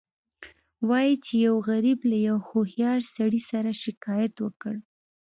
وایي چې یو غریب له یو هوښیار سړي سره شکایت وکړ.